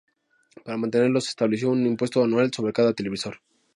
Para mantenerlo se estableció un impuesto anual sobre cada televisor.